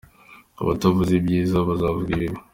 abatavuze ibyiza bazavuga ibibi.